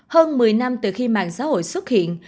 hơn một mươi năm từ khi mạng xã hội xuất hiện